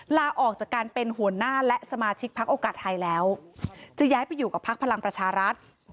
ลาออกจากการเป็นหัวหน้าและสมาชิกพักโอกาสไทยแล้วจะย้ายไปอยู่กับพักพลังประชารัฐ